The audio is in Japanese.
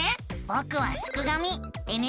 ぼくはすくがミ。